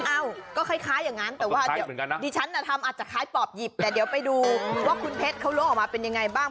เอ้าก็คล้ายอย่างนั้นแต่ว่าเดี๋ยวดิฉันทำอาจจะคล้ายปอบหยิบแต่เดี๋ยวไปดูว่าคุณเพชรเขาล้วงออกมาเป็นยังไงบ้าง